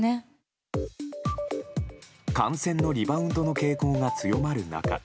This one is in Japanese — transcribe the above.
感染のリバウンドの傾向が強まる中